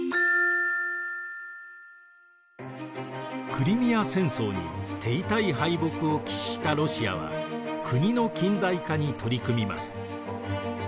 クリミア戦争に手痛い敗北を喫したロシアは国の近代化に取り組みます。